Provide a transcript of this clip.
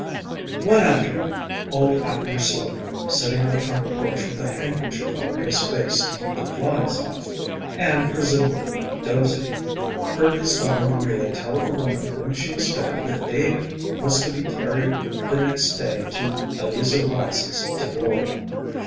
One afternoon old Abner Slocum, sitting on the front porch with a handkerchief over his face to keep the flies off, and presumably dozing, heard his daughter Maria tell the woman whom she was fitting that David was to be carried the next day to Eleazer Wise's to board.